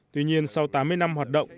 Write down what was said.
tuy nhiên sau tám mươi năm hoạt động